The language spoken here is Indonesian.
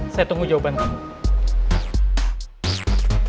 saya tunggu jawaban kamu